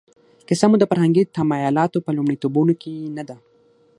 کیسه مو د فرهنګي تمایلاتو په لومړیتوبونو کې نه ده.